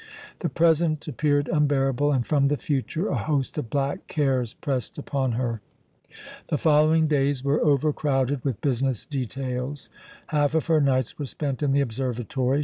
The present appeared unbearable, and from the future a host of black cares pressed upon her. The following days were overcrowded with business details. Half of her nights were spent in the observatory.